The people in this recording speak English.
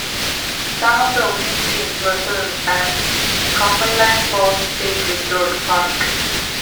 Some of the opening scenes were filmed at Cumberland Falls State Resort Park.